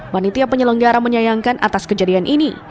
panitia penyelenggara menyayangkan atas kejadian ini